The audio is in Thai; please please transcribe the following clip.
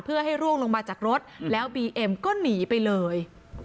เพื่อให้ร่วงลงมาจากรถแล้วบีเอ็มก็หนีไปเลย